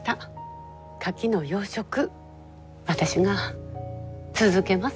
カキの養殖私が続けます。